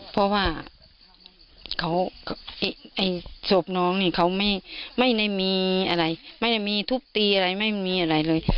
เพราะว่าศพน้องนี่เขาไม่ได้มีอะไรไม่ได้มีทุบตีอะไรไม่มีอะไรเลย